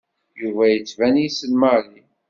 Yuba yettban yessen Mary.